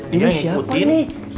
jadi siapa nih